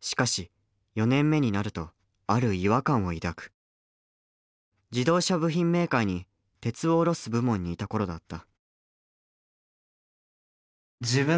しかし４年目になると自動車部品メーカーに鉄を卸す部門にいた頃だった。